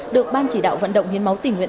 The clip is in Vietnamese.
được ban chỉ đạo vận động hiến máu tình nguyện